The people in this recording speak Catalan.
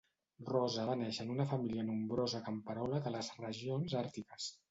Rosa va néixer en una família nombrosa camperola de les regions àrtiques.